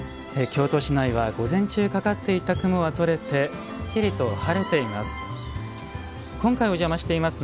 京都市内は午前中かかっていた雲はとれてすっきりと晴れています。